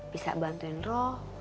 bisa bantuin roh